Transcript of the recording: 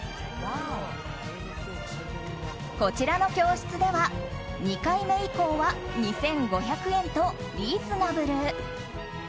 こちらの教室では２回目以降は２５００円とリーズナブル。